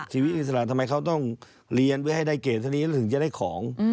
อิสระทำไมเขาต้องเรียนเพื่อให้ได้เกรดเท่านี้แล้วถึงจะได้ของ